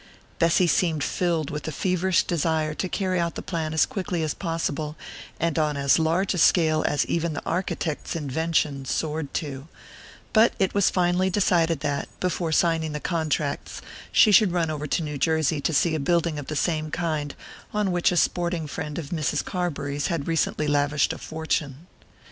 Bessy seemed filled with a feverish desire to carry out the plan as quickly as possible, and on as large a scale as even the architect's invention soared to; but it was finally decided that, before signing the contracts, she should run over to New Jersey to see a building of the same kind on which a sporting friend of Mrs. Carbury's had recently lavished a fortune.